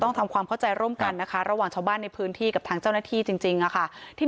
ทำความเข้าใจร่วมกันนะคะระหว่างชาวบ้านในพื้นที่กับทางเจ้าหน้าที่จริงค่ะ